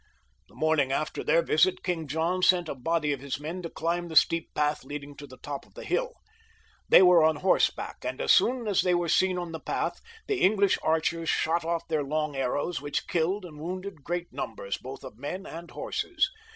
The morning after their visit King John sent a body of his men to climb the steep path leading to the top of the hill. They were on horseback, and as soon as they were seen on the path, the English archers shot off their long arrows, which killed and wounded great numbers, both of men and horses.